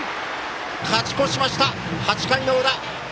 勝ち越しました、８回の裏。